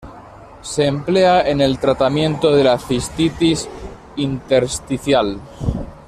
Se emplea en el tratamiento de la cistitis intersticial.